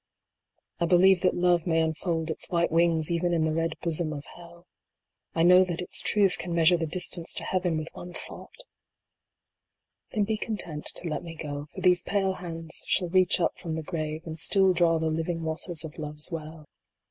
I believe that Love may unfold its white wings even in the red bosom of Hel , I know that its truth can measure the distance to Heaven with one thought Then be content to let me go, for these pale hands shall reach up from the grave, and still draw the living waters of Love s well.